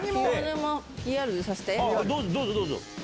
どうぞどうぞ！